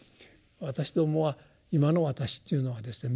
私どもは今の私っていうのはですね